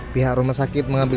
pihak rumah sakit mengambil